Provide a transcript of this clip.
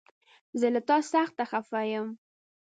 زه له تا سخته خفه يم!